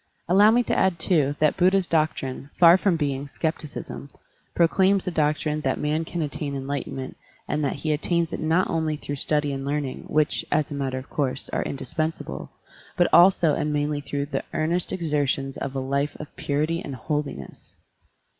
Allow me to add, too, that Buddha's doctrine, far from being skepticism, proclaims the doctrine that man can attain enlightenment and that he attains it not only through study and learning, which, as a matter of course, are indispensable, but also and mainly through the earnest exertions of a life of purity and holiness.